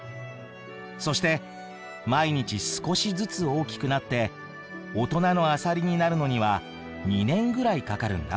そして毎日少しずつ大きくなって大人のアサリになるのには２年ぐらいかかるんだ。